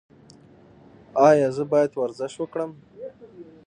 ایا زه باید ورزش وکړم؟